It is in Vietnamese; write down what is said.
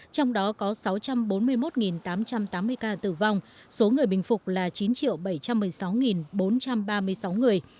trong đó có sáu trăm bốn mươi một tám trăm tám mươi ca tử vong số người bình phục là chín bảy trăm một mươi sáu bốn trăm ba mươi sáu người